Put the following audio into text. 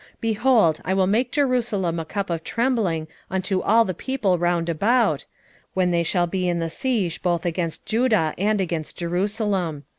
12:2 Behold, I will make Jerusalem a cup of trembling unto all the people round about, when they shall be in the siege both against Judah and against Jerusalem.